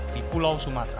di pulau sumatera